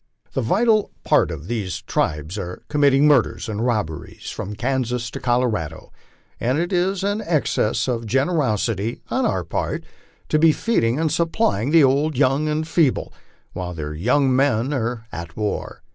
The vital part of these kribes are committing murders and robberies from Kansas to Colorado, and it is an excess of gen trosity on our part to be feeding and supplying the old, young, and feeble, while their young men are at war.